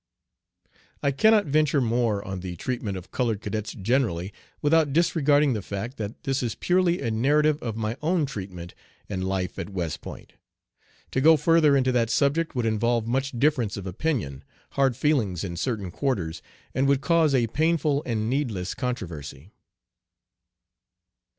I cannot venture more on the treatment of colored cadets generally without disregarding the fact that this is purely a narrative of my own treatment and life at West Point. To go further into that subject would involve much difference of opinion, hard feelings in certain quarters, and would cause a painful and needless controversy.